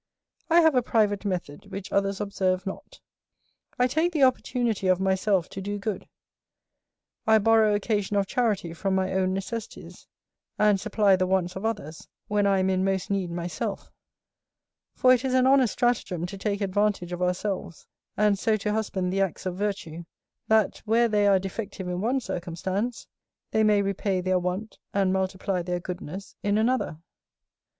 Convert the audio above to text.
I have a private method which others observe not; I take the opportunity of myself to do good; I borrow occasion of charity from my own necessities, and supply the wants of others, when I am in most need myself: for it is an honest stratagem to take advantage of ourselves, and so to husband the acts of virtue, that, where they are defective in one circumstance, they may repay their want, and multiply their goodness in another.